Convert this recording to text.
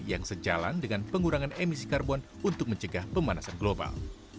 yang sejalan dengan pengurangan emisi karbon untuk mencegah pemanasan global